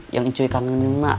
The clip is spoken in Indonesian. yang ncuri kangenin ma